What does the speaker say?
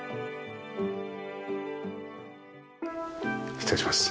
失礼します。